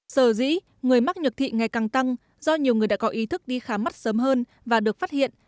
sở dĩ người mắc nhược thị ngày càng tăng do nhiều người đã có ý thức đi khám mắt sớm hơn và được phát hiện